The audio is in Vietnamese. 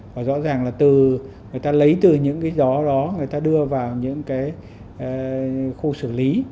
và rõ ràng là từ người ta lấy từ những cái gió đó người ta đưa vào những cái khu xử lý